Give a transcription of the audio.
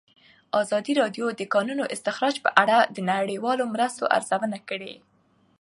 ازادي راډیو د د کانونو استخراج په اړه د نړیوالو مرستو ارزونه کړې.